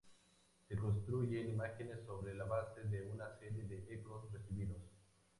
Se construyen imágenes sobre la base de una serie de ecos recibidos.